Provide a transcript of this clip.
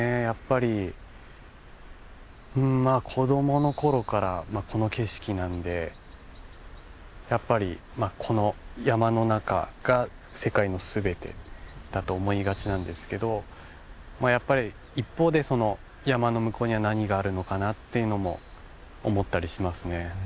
やっぱり子供の頃からこの景色なんでやっぱりこの山の中が世界の全てだと思いがちなんですけどやっぱり一方で山の向こうには何があるのかなっていうのも思ったりしますね。